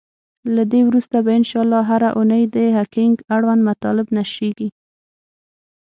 له دی وروسته به ان شاءالله هره اونۍ د هکینګ اړوند مطالب نشریږی.